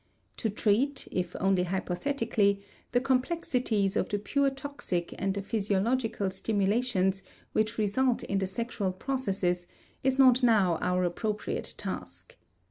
To treat, if only hypothetically, the complexities of the pure toxic and the physiologic stimulations which result in the sexual processes is not now our appropriate task.